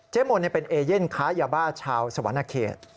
มนต์เป็นเอเย่นค้ายาบ้าชาวสวรรณเขต